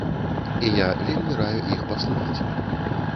І я вельмі раю іх паслухаць.